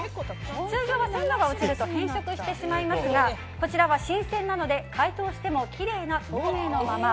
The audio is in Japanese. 通常は鮮度が落ちると変色してしまいますがこちらは新鮮なので解凍してもきれいな透明のまま。